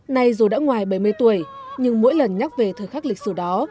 này dù đã ngoài bảy mươi tuổi nhưng mỗi lần nhắc về thời khắc lịch sử đó